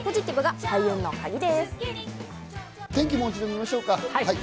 天気、もう一度見ましょう。